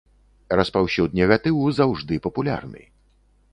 Распаўсюд негатыву заўжды папулярны.